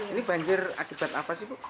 ini banjir akibat apa sih bu